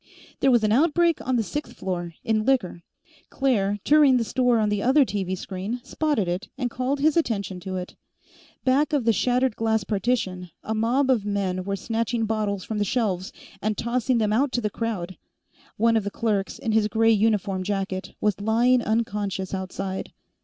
There was an outbreak on the sixth floor, in Liquor; Claire, touring the store on the other TV screen, spotted it and called his attention to it. Back of the shattered glass partition, a mob of men were snatching bottles from the shelves and tossing them out to the crowd. One of the clerks, in his gray uniform jacket, was lying unconscious outside.